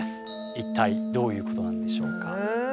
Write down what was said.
一体どういうことなんでしょうか？